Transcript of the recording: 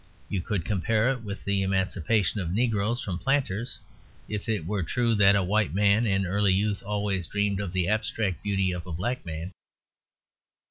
You could compare it with the emancipation of negroes from planters if it were true that a white man in early youth always dreamed of the abstract beauty of a black man.